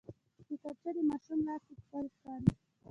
کتابچه د ماشوم لاس کې ښکلي ښکاري